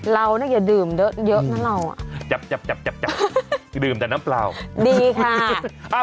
เราน่ะอย่าดื่มเยอะนะเราอ่ะจับจับจับดื่มแต่น้ำเปล่าดีค่ะ